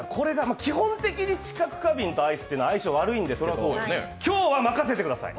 基本的に知覚過敏とアイスって相性悪いんですけど、今日は任せてください。